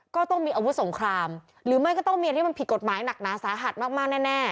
ก็ต้องมีอาวุธสงครามหรือไม่ก็ต้องมีอะไรที่มันผิดกฎหมายหนักหนาสาหัสมากแน่